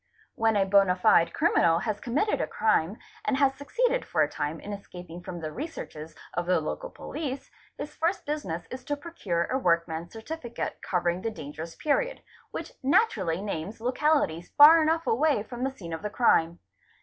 When a bond fide criminal has committed a crime and has — succeeded for a time in escaping from the researches of the local police, — his first business is to procure a workman's certificate covering the — dangerous period, which naturally names localities far enough away from the scene of the crime.